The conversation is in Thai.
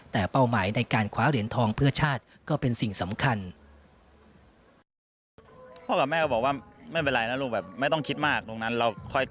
แต่เป้าหมายในการคว้าเหรียญทองเพื่อชาติก็เป็นสิ่งสำคัญ